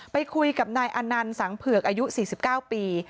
ไปคุยกับนายอนันต์สังเผือกอายุ๔๙ปี